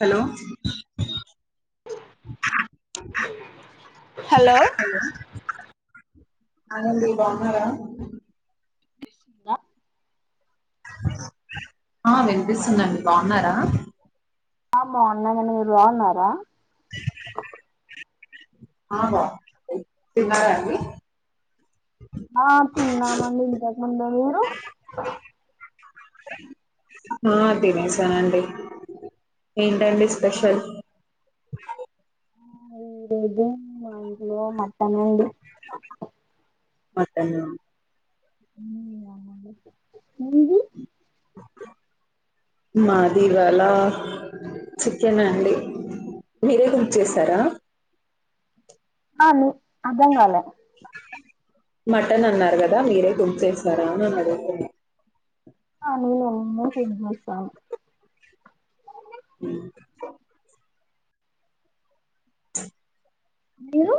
Hello hello hi అండి బాగున్నరా ఆ వినిపిస్తుందండి బాగున్నారా ఆ బాగున్నానండి మీరు బాగున్నారా ఆ బా తిన్నారాండి ఆ తిన్నామండి ఇంతకుముందే మీరు ఆ తినేసనండి ఏంటండి స్పెషల్ ఏం లేదు మా ఇంట్లో మట్టన్ ఉంది [unintelligible] ఉమ్ బావున్నండి మాది ఇవాళా చికెన్ అండి మీరే కుక్ చేసారా ఆ నే అర్థం కాలే మటన్ అన్నారు గదా మీరే కుక్ చేసరా అని అడుగుతున్న [unintelligible] నేనే కుక్ చేస్తాను హ్మ్ మీరు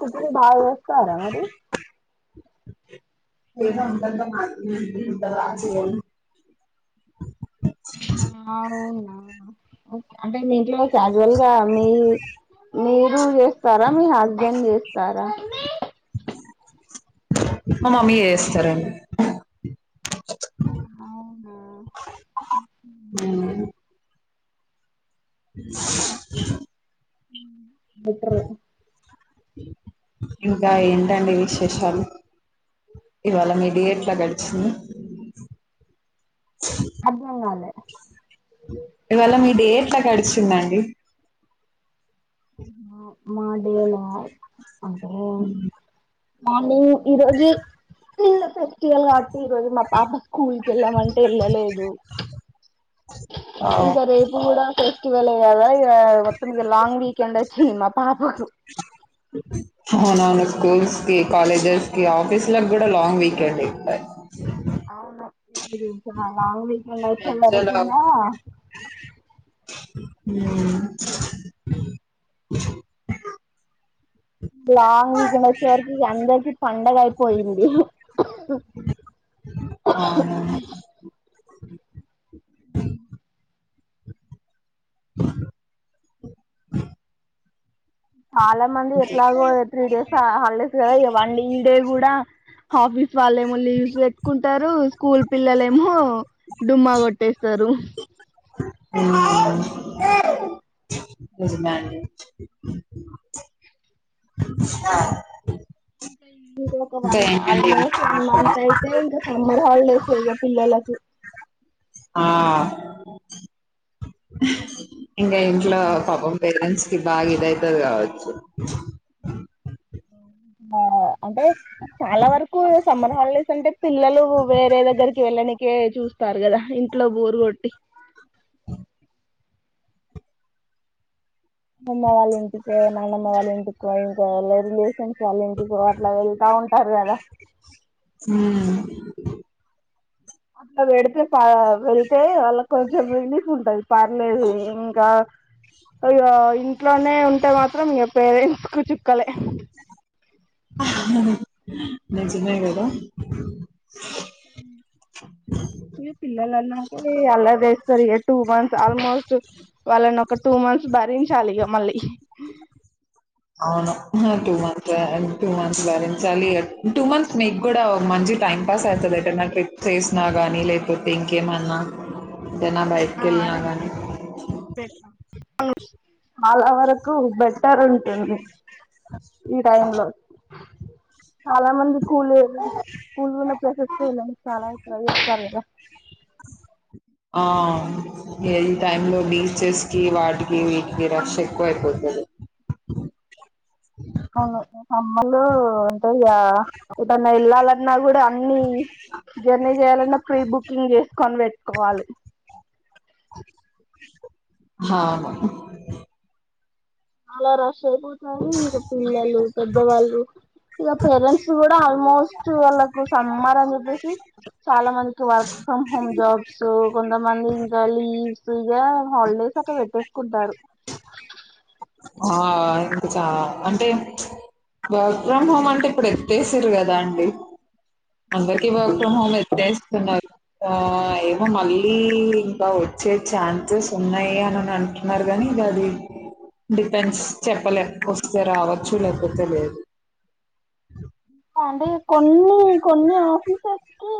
కుకింగ్ బాగ చేస్తార మరి ఎహె అంత అంత మాత్రాన ఉమ్ వింతగా ఆరసి పోనీ ఆవునా అ అంటే మీ ఇంట్లో క్యాజ్వల్గా మీ మీ మీర్ జేస్తర అ మీ హస్బెండ్ చేస్తారా మా మమ్మీ చేస్తారండి అవునా ఉమ్, [inaudible] బెట్రె ఇంకా ఏంటండి విశేషాలు ఇవాళ మీ డే ఎట్ల గడిచింది అద్ధంగాలే ఇవాళ మీ డే ఎట్ల గడిచిందండి మ మా డే ల అంటే మార్నింగ్ ఈ రోజు నిన్న ఫెస్టివల్ట్ కాద్ ఈ రోజు మా పాప స్కూల్కికి ఎళ్ళామంటే ఎళ్ళలేదు వావ్! ఇంకా రేపు గుడా ఫేస్ టివెలే గదా ఇగ మొత్తం ఇగ లాంగ్ వీకెండ్ వచ్చింది మా పాపకు అవునవును స్కూల్స్కి కాలేజెస్కి ఆఫీస్లకు గుడా లాంగ్ వీకెండ్ అయిపై చాలా లాంగ్ వీకెండ్ వచ్చి మధ్యలో అందరినికిందా హ్మ్ లాంగ్ వీకెండ్ వచ్చే వరకి ఇగ అందరికి పండగ అయిపోయింది అవును [inaudible] చాలా మంది అంతే. ఎట్లాగో త్రీ డేస్ హాలిడేస్ కదా ఇక వన్ డే ఈ డే కూడా హఫీస్ వాళ్లేమో లీవ్స్ పెట్టుకుంటారు స్కూల్ పిల్లలేమో డుమ్మా కొట్టేస్తరు [inaudible] నిజమే అండి ఆ ఇక వన్ మ ఆల్మోస్ట్ వన్ విశేషాలు? మంత్ అయితే ఇంకా సమ్మర్ హాలిడేసే ఇగ పిల్లలకి ఆ ఇంగా ఇంట్లో పాపం పేరెంట్స్ కి బాగా ఇదైతది కావచ్చు ఆ అంటే చాలా వరకు సమ్మర్ హాలిడేస్ అంటే పిల్లలు వేరే దగ్గరికి వెళ్ళని ఇకే చూస్తారు గదా ఇంట్లో బోరు కొట్టి అమ్మమ వాళ్ళ ఇంటికో నాన్నమ్మ వాళ్ళ ఇంటికో ఇంకా ఇలా రిలేషన్స్ వాళ్ళ ఇంటికో అట్లా వెళ్ బావుంటారు కదా హ్మ్. అట్లా పెడితే ఫా వెళ్తే వాళ్ళకి కొంచెం రిలీఫ్ ఉంటాది. పర్లేదు ఇంకా అయో ఇంట్లోనే ఉంటే మాత్రం ఇగ పేరెంట్స్ కు చుక్కలే. ఆహ్ నేనుచిన్నాయినికదా పిల్లలన్నా అల్లరి జేస్తాది ఎ టూ మంత్స్ ఆల్మోస్ట్ వాళ్ళని ఒక టూ మంత్స్ బ భరించాలి ఇగా మళ్ళీ అవును టూ మంత్స్ టూ మంత్స్ భరించాలి టూ మంత్స్ నిక్ కూడా ఒక మంచి టైం పాస్ అవుతుంది ఏంటన్న ఆట్రిప్ చేసినా కానీ లేకపోతే ఇంకేమన్ ఆ ఏనా ఆ బయిటికి ఏళ్లిన అది కానీ బెటర్ చాలా వరకు బెటర్ ఉంటుంది ఈ టైమ్ లో చాలామంది స్కూల్లొ స్కూల్ ఉన్న [unintelligible] ఇ చాలా ఇగ ఆ ఏది టైమ్ లో బీచెస్ కి వాటి ఇవీట్కి రష్ ఎక్కువ ఐపోతది. అవును ఇఅమ్మలూ అయ్యా ఎటన్న వెళ్ళాలన్నా కూడా అన్ని జర్నీ చేయాలన్నా ప్రీ బుకింగ్ చేసుకొని పెట్టుకోవాలి. హాను చలా రష్ అయిపోతాయి ఇంకా పిల్లలు, పెద్దవాళ్ళు ఇగా పేరెంట్స్ కూడా ఆల్మోస్ట్ వాళ్ళకు సమ్మార్ అని చెప్పేసి చాలా మందికి వర్క్ ఫ్రమ్ హోమ్ జాబ్స్ కొంతమంది ఇంకా లీవ్స్ ఇవే హాలిడే [unintelligible] పెట్టేసుకుంటారు. ఆ ఇంకా చ అంటే వర్క్ ఫ్రమ్ హోమ్ అంటే ఇప్పుడు ఎత్తేసారు కదా అండి. అందరికి వర్క్ ఫ్రమ్ హోమ్ ఎత్తేస్తున్నారు. ఆ ఏమో మళ్ళీ ఇంకా వచ్చే ఛాన్సెస్ ఉన్నాయి అని అంటున్నారు గాని ఇంగాది డిపెండ్స్ చెప్పలేమ్ వస్తే రావచ్చు లేకపోతే లేదు. అంటే కొన్ని కొన్ని ఆఫీసర్స్ కి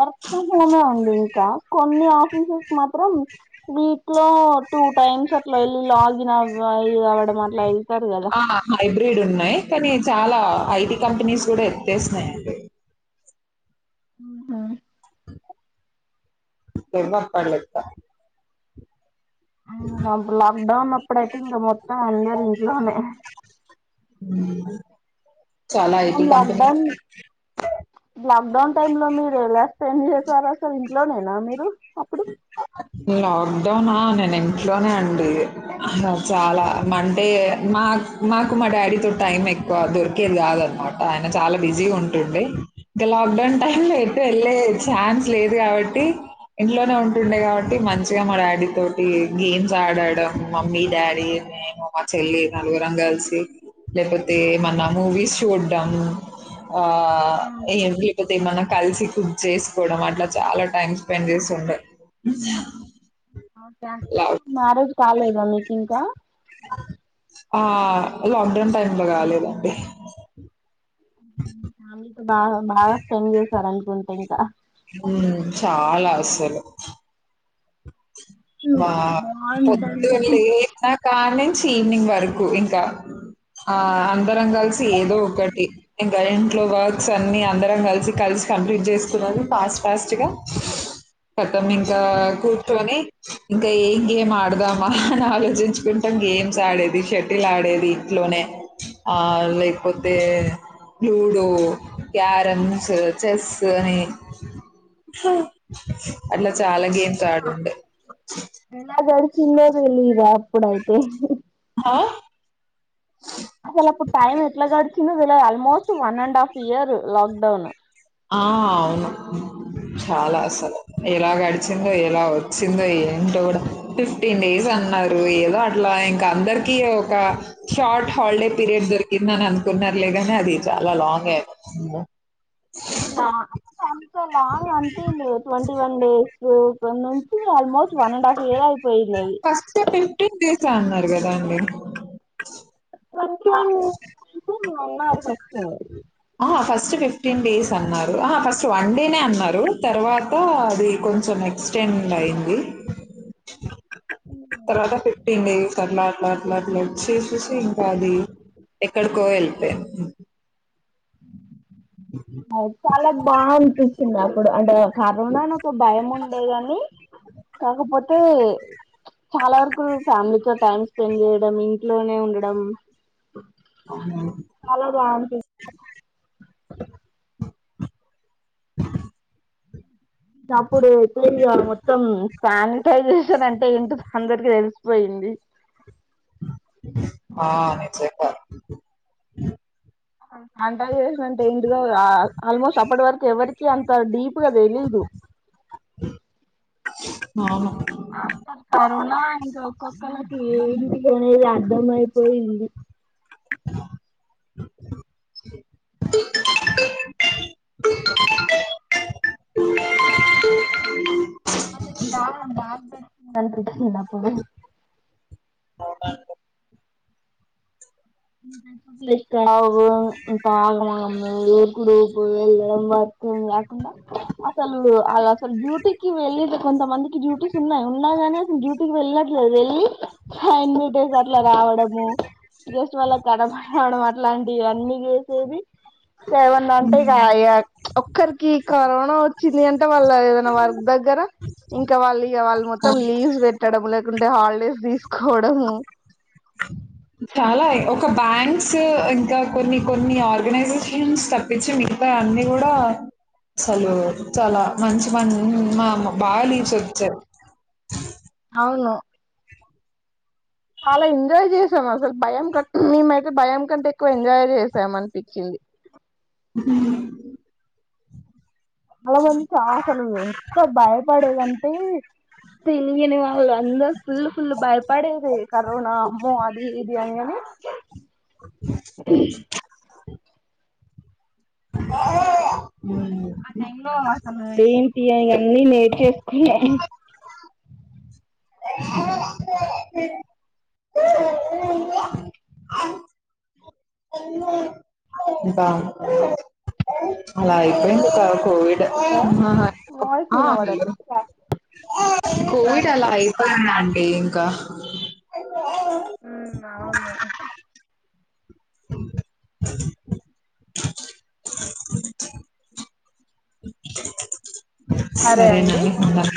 వర్క్ ఫ్రమ్ హోమ్ ఉంది ఇంకా కొన్ని ఆఫీసెస్ మాత్రం మీ క్లో టూ టైమ్స్ అట్లా వెళ్లి లాగిన్ అవ్వాలి అవడం అట్లా వెళ్తారు కదా ఆ హైబ్రిడ్ ఉన్నాయి కానీ చాలా ఐటీ కంపెనీస్ కూడా ఎత్తేస్తున్నాయండి. అ ఏమో పర్లేదు బ ఉమ్ అప్పుడు లాక్డౌన్ అప్పుడయితే ఇంకా మొత్తం అందరు ఇంట్లోనే. చాలా IT company lockdown time లో మీరు ఎలా స్పెండ్ చేసారు అసలు? ఇంట్లోనేనా మీరు అప్పుడు? లాక్డౌనా నేను ఇంట్లోనే అండి న చాలా అంటే మా మాకు మా డాడీ తో టైం ఎక్కువ దొరుకు కేది కాదనమాట ఆయన చాలా బిజీగా ఉంటుండే. ఇంక లాక్ డౌన్ టైమ్ లో ఎట్ వెళ్లే ఛాన్స్ లేదు కాబట్టి ఇంట్లోనే ఉంటుండే కాబట్టి మంచిగా మా డాడీ తోటి గేమ్స్ ఆడడం మమ్మీ డాడీ నేను, మా చెల్లి నలుగురంగలిసి లేపోతే మన మూవీస్ చూడంము. ఆ ఏ లేకపోతే ఏమన్నా కలిసి కుక్ చేసుకోవడం అట్లా చాలా టైమ్స్ స్పెండ్ చేసుండే మ్యారేజ్ కాలేదా మీకు ఇంకా ఆ లాక్డౌన్ టైమ్ లో కాలేదండి ఫ్యామిలీతో బాగా బాగా స్పెండ్ చేసారు అనుకుంట ఇంకా ఉమ్ చాలా అసలు మా బాగుంటుంది పొద్దున్ లేష్నా కానీ ఛీ ఈవినింగ్ వరకు ఇంకా ఆ అందరం కలిసి ఏదో ఒకటి ఇంకా ఏం ఇంట్లో వర్క్స్ అన్ని అందరం కలిసి కలిసి కంప్లీట్ జెస్కున్నాను ఫాస్ట్ ఫాస్ట్గా పక్కనింక కూర్చొని ఇంకా ఏం గేమ్ ఆడ్దామా ఆలోచించ్కుంటాం గేమ్స్ ఆడేది షటిల్ ఆడేది ఇట్ లోనే ఆ లేకపోతే లూడో క్యారమ్స్ చెస్ అని అట్లా చాలా గేమ్స్ ఆడుండే ఎలా గాడ్చిందో తెలీదు అప్పుడ్ అయితే ఆ అసల్ అప్పుడ్ టైం ఎట్లా గాడ్చిందో తెల్యాద్ almost one and half year lockdown ఆ అవును చాలా అసలు ఎలా గడిచిందో ఎలా ఒచ్చిందో ఎంటో కూడ ఫిఫ్టీన్ డేస్ అన్నారు ఏదో అట్లా ఇంకా అందరికి ఒక షార్ట్ హాలిడే పీరియడ్ దొరికిందని అనుకున్నారులేగాని అది చాలా లాంగ్ అయిపోయి అమ్మో లాంగ్ అంత లాంగ్ అన్పియ్లేద్ ట్వంటీ వన్ డేస్ కొ కొను almost one and half year అయిపోయినై చా అన్నారు గదా అండి [inaudible] ప్రశ్నల్ అన్నారు ఫస్ట్ ఆ ఫాస్ట్ ఫిఫ్టీన్ డేస్ అన్నారు ఆ ఫస్ట్ వన్ డేనే అన్నారు తర్వాత అది కొంచెం ఎక్స్టెండ్ అయ్యింది తర్వాత ఫిఫ్టీన్ డేస్ కట్ల అట్ల అట్ల వచ్చి చూసి ఇంకా అది ఎక్కడికో ఎల్లిపోయింది అ చాలా బా అనిపించింది అప్పుడు అంటే కరోనాను ఒక భయం ఉండే అని కాకపోతే ప్చ్ చాలా వరకు ఫ్యామిలీతో టైమ్ స్పెండ్ చేయడం ఇంట్లోనే ఉండడం చాలా బాగా అనిపించింది అ గప్పుడు ఎత్తుపేరిగ్యం మొత్తం శానిటైజేషన్ అంటే ఏంటో అందరికి తెల్సిపోయింది ఆ నిజంగా అంట చేసినంటే ఇంటి గా గాద్ ఆల్మోస్ట్ అప్పటి వరకు ఎవరికి అంత డీప్ నాక్ దెలీదు అవును కన్నా ఇంకా ఒకొక్కలకి ఏది కూడానేది అర్థమైపోయింది అన్నపూపు ఇప్పుడు అ అన్ బె ఇష్టంతగ్మారు కుడు గో [unintelligible] ఏదైనా మార్పుందా కుండా అసలు అ అసలు డ్యూటీకి వెళ్ళేది కొంత మందికి డ్యూటీ ఉన్నాయి ఉన్నాయిగాని అసలు డ్యూటీకి వెళ్ళట్లేదు ఎళ్ళి ఆన్ని డేస్ అట్లా రావడము జస్ట్ వాళ్ళ కడప్ రావడం అట్లాంటివి ఇవన్నీ జేసేది ఏమన్నా అంటే గయా ఒక్కరికి కరోనా ఒచ్చింది అంటే వాళ్ళ ఏదైనా వర్క్ దగ్గర ఇంకా వాళ్ళ ఈగ వాళ్ళు ఇంకా మొత్తం లీవ్స్ పెట్టడం లే ఎక్కడుంటే ఉంటే హాలిడేస్ తీస్కోడం చాలా ఒక బ్యాంక్స్ ఇంకా కొన్ని కొన్ని ఆర్గనైషేన్స్ తప్పించి మిగ్తా అన్ని గుడా అసలు చాలా మంచి మం మా బా లీవ్స్ ఇచ్చారు. అవును అలా ఎంజాయ్ చేస్ అసలు భయం [unintelligible] మేమైతే భయం కంటే ఎక్కువ ఎంజాయ్ చేసాం అన్పిచింది అలా మం [unintelligible] ఆసలు ఎంత భయపడేదంటే తెలియని వాళ్ళు అందరు ఫుల్ ఫుల్ల్ బయపడింది కరోనా అమ్మో అది ఇది అని గని ఉమ్, ఆ టైమ్లో అసలు ఏంటి అయన్ని లేట్ చేస్ [unintelligible] ఇంకా అల అయిపోయిందిక కోవిడ్ ఆ ఎందుకో వాయిస్ వినబడట్లేదు ఆ కోవిడ్ సరే అలా అండి అయిపోయే అండి ఇంకా మ్ అవును సరే నండి బాయ్